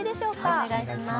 お願いします。